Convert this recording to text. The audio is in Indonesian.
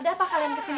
ada apa kalian kesini